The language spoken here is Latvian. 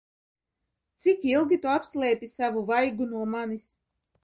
Cik ilgi Tu apslēpi savu vaigu no manis?